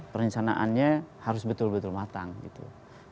perencanaannya harus betul betul matang gitu